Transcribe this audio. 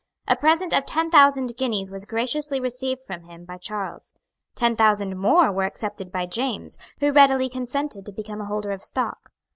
A present of ten thousand guineas was graciously received from him by Charles. Ten thousand more were accepted by James, who readily consented to become a holder of stock.